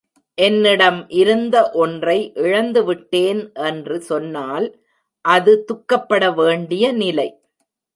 என்னிடம் இருந்த ஒன்றை இழந்துவிட்டேன் என்று சொன்னால் அது துக்கப்பட வேண்டிய நிலை.